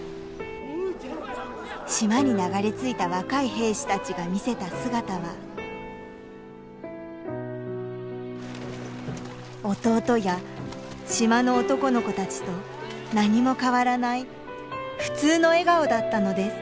島に流れ着いた若い兵士たちが見せた姿は弟や島の男の子たちと何も変わらない普通の笑顔だったのです